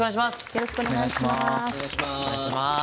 よろしくお願いします。